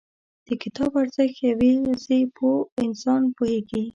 • د کتاب ارزښت، یوازې پوه انسان پوهېږي.